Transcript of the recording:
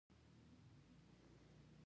تاسي باید له اسلام سره لاس یو کړئ.